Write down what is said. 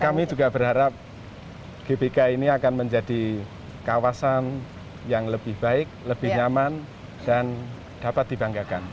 kami juga berharap gbk ini akan menjadi kawasan yang lebih baik lebih nyaman dan dapat dibanggakan